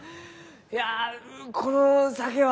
いやうこの酒は。